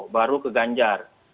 baru ke ganjar